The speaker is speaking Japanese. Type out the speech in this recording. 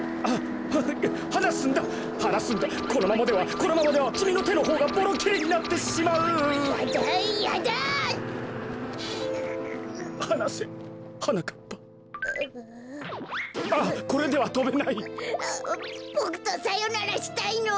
あっこれではとべない。